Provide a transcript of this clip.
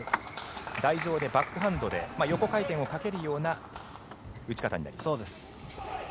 台上でバックハンドで横回転をかけるような打ち方になります。